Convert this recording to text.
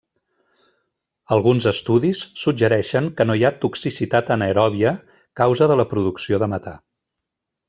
Alguns estudis suggereixen que no hi ha toxicitat anaeròbia causa de la producció de metà.